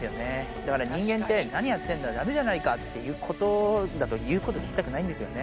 だから、人間って何やってんだ、だめじゃないかっていうことだと、言うこと聞きたくないんですよね。